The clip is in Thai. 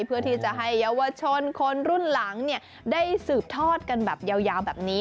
เพื่อที่จะให้เยาวชนคนรุ่นหลังได้สืบทอดกันแบบยาวแบบนี้